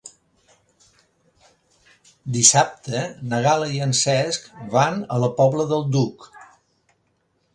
Dissabte na Gal·la i en Cesc van a la Pobla del Duc.